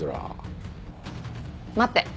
待って。